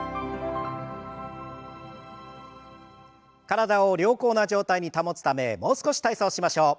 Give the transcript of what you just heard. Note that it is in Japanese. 体を良好な状態に保つためもう少し体操しましょう。